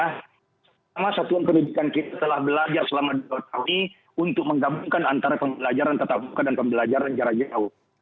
pertama satuan pendidikan kita telah belajar selama dua tahun ini untuk menggabungkan antara pembelajaran tetap muka dan pembelajaran jarak jauh